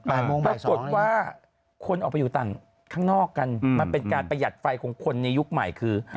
ปรากฏว่าคนออกไปอยู่ต่างข้างนอกกันมันเป็นการประหยัดไฟของคนในยุคใหม่คือ